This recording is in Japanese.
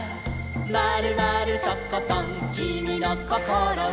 「まるまるとことんきみのこころは」